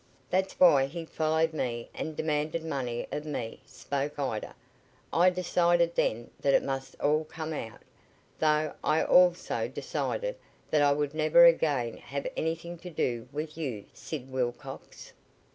"That's why he followed me and demanded money of me," spoke Ida. "I decided then that it must all come out, though I also decided that I would never again have anything to do with you, Sid Wilcox."